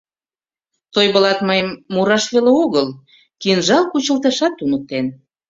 Тойблат мыйым мураш веле огыл, кинжал кучылташат туныктен.